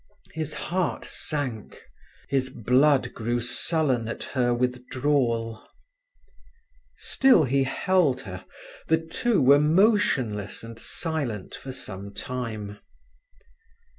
His heart sank, his blood grew sullen at her withdrawal. Still he held her; the two were motionless and silent for some time.